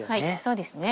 そうですね。